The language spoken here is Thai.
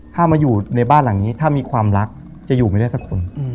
ถ้ามาอยู่ในบ้านหลังนี้ถ้ามีความรักจะอยู่ไม่ได้สักคน